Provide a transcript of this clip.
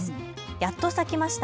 やっと咲きました。